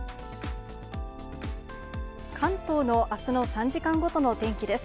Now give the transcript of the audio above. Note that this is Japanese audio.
関東のあすの３時間ごとのお天気です。